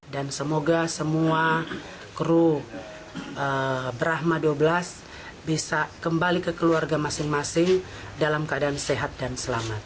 dan semoga semua kru brahma dua belas bisa kembali ke keluarga masing masing dalam keadaan sehat dan selamat